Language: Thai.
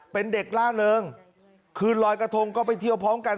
เป็นเด็กล่าเริงคืนลอยกระทงก็ไปเที่ยวพร้อมกัน